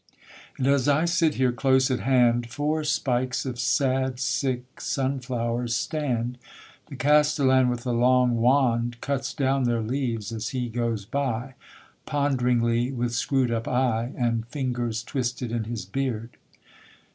And as I sit here, close at hand Four spikes of sad sick sunflowers stand; The castellan with a long wand Cuts down their leaves as he goes by, Ponderingly, with screw'd up eye, And fingers twisted in his beard.